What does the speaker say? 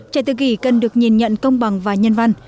trẻ tự kỷ cần được nhìn nhận công bằng và nhân văn